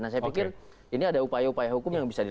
nah saya pikir ini ada upaya upaya hukum yang bisa di